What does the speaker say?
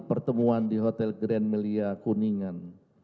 pertemuan di hotel grand melia kuningan